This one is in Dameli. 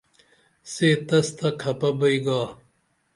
سے تس تہ کھپہ بئی گا